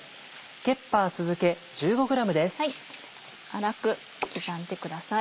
粗く刻んでください。